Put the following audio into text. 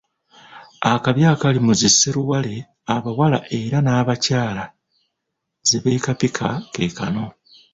Akabi akali mu zi sseluwale abawala era n’abakyala zebeekapika keekano